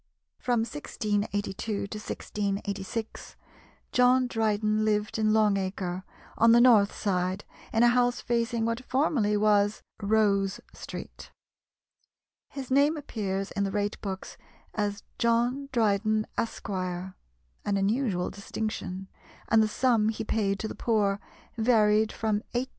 From 1682 to 1686 John Dryden lived in Long Acre, on the north side, in a house facing what formerly was Rose Street. His name appears in the rate books as "John Dryden, Esq." an unusual distinction and the sum he paid to the poor varied from 18s.